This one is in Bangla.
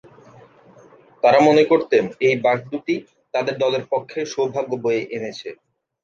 তারা মনে করতেন এই বাঘদু’টি তাদের দলের পক্ষে সৌভাগ্য বয়ে এনেছে।